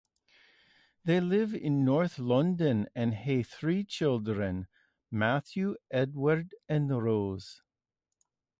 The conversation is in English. They live in north London and have three children: Matthew, Edward and Rose.